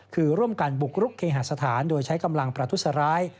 คือร่วมกันบุกรุกเคหาสถานโดยใช้กำลังประทุษร้าย